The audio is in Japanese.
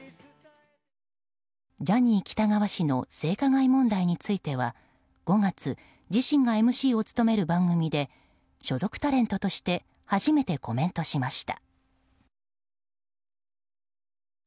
ジャニー喜多川氏の性加害問題については、５月自身がＭＣを務める番組で所属タレントとして初めてコメントしました。